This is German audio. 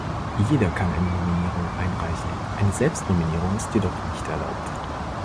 Jeder kann eine Nominierung einreichen, eine Selbstnominierung ist jedoch nicht erlaubt.